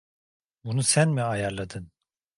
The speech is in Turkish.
Bunu sen mi ayarladın?